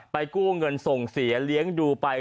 กู้เงินส่งเสียเลี้ยงดูไป